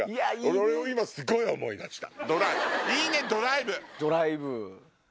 それを今すごい思い出した。